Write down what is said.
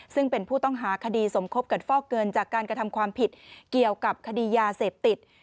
ซึ่งเป็นผู้ต้องหาคดีสมคบกับฟอกเงินจากการกระทำความผิดเกี่ยวกับคดียาเสพติด